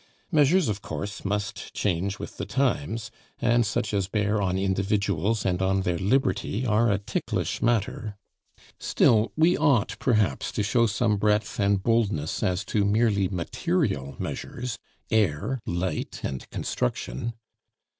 Measures, of course, must change with the times, and such as bear on individuals and on their liberty are a ticklish matter; still, we ought, perhaps, to show some breadth and boldness as to merely material measures air, light, and construction.